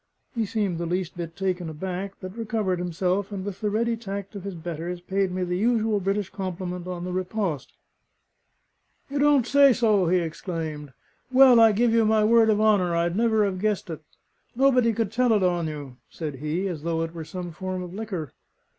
He seemed the least bit taken aback, but recovered himself; and with the ready tact of his betters, paid me the usual British compliment on the riposte. "You don't say so!" he exclaimed. "Well, I give you my word of honour, I'd never have guessed it. Nobody could tell it on you," said he, as though it were some form of liquor.